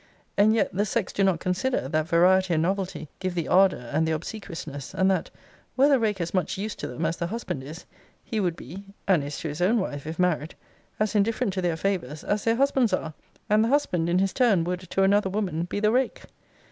And yet the sex do not consider, that variety and novelty give the ardour and the obsequiousness; and that, were the rake as much used to them as the husband is, he would be [and is to his own wife, if married] as indifferent to their favours, as their husbands are; and the husband, in his turn, would, to another woman, be the rake.